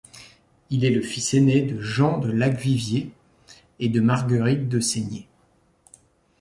Il est le fils aîné de Jean de Lacvivier et de Marguerite de Sénier.